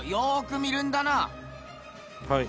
はい。